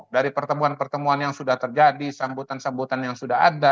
dari pertemuan pertemuan yang sudah terjadi sambutan sambutan yang sudah ada